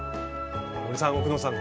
森さん奥野さん